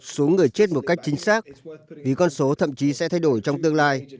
số người chết một cách chính xác vì con số thậm chí sẽ thay đổi trong tương lai